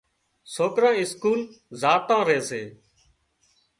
سوڪران اسڪول زاتان ري سي۔